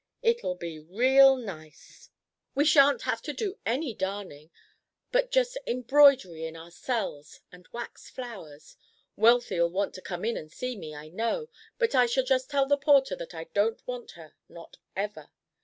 It'll be real nice. We shan't have to do any darning, but just embroidery in our cells and wax flowers. Wealthy'll want to come in and see me, I know, but I shall just tell the porter that I don't want her, not ever.